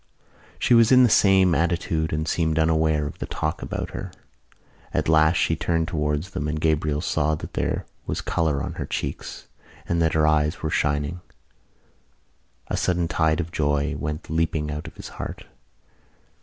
She was in the same attitude and seemed unaware of the talk about her. At last she turned towards them and Gabriel saw that there was colour on her cheeks and that her eyes were shining. A sudden tide of joy went leaping out of his heart.